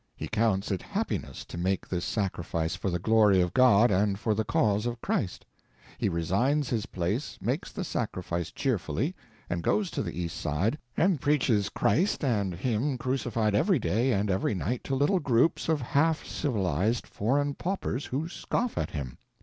He counts it happiness to make this sacrifice for the glory of God and for the cause of Christ. He resigns his place, makes the sacrifice cheerfully, and goes to the East Side and preaches Christ and Him crucified every day and every night to little groups of half civilized foreign paupers who scoff at him.